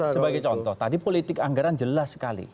sebagai contoh tadi politik anggaran jelas sekali